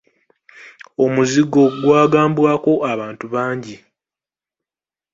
Omuzigo gw'agabanwako abantu bangi.